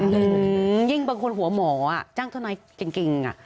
อืมยิ่งบางคนหัวหมออ่ะจ้างเท่านั้นเกรง